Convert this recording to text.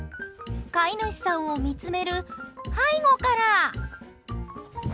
飼い主さんを見つめる背後から。